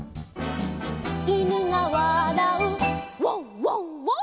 「いぬがわらうワンワンワン」